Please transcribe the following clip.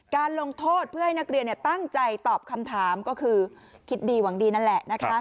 ลงโทษเพื่อให้นักเรียนตั้งใจตอบคำถามก็คือคิดดีหวังดีนั่นแหละ